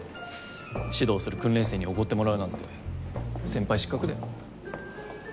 指導する訓練生におごってもらうなんて先輩失格だよ。